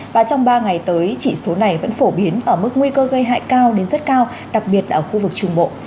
và trong ba ngày tới chỉ số này vẫn phổ biến ở mức nguy cơ gây hại cao đến rất cao đặc biệt là ở khu vực trung bộ